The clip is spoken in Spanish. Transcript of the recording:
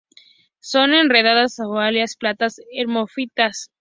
Son enredaderas o lianas; plantas hermafroditas.